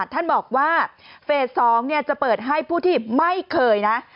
ท่านบอกว่าเฟส๒จะเปิดให้ผู้ที่ไม่เคยนะ